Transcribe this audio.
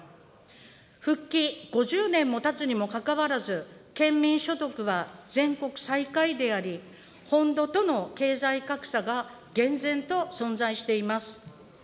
復帰５０年もたつにもかかわらず、県民所得は全国最下位であり、本土との経済格差が厳然と存在しています。